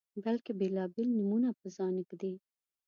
بلکې بیلابیل نومونه په ځان ږدي